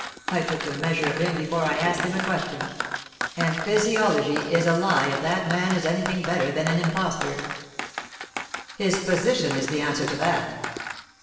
I took the measure of him before I asked him a question; and physiology is a lie if that man is anything better than an impostor." "His position is the answer to that."